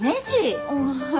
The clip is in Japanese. はい。